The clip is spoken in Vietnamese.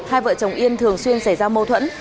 hai vợ chồng yên thường xuyên xảy ra mâu thuẫn